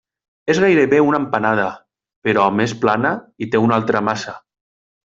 És gairebé una empanada, però més plana i té una altra massa.